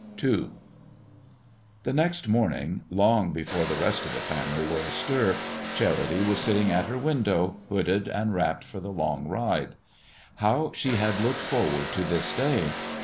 II The next morning, long before the rest of the family were astir, Charity was sitting at her window, hooded and wrapped for the long ride. How she had looked forward to this day!